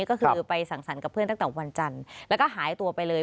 ก็คือไปสั่งสรรค์กับเพื่อนตั้งแต่วันจันทร์แล้วก็หายตัวไปเลย